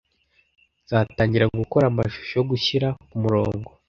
nzatangira gukora amashusho yo gushyira kumurongo.